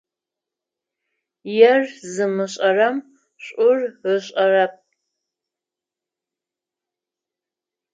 Ер зымышӏэрэм шӏур ышӏэрэп.